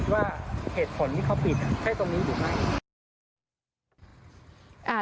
ว่าเหตุผลที่เขาปิดใช้ตรงนี้อยู่มั่น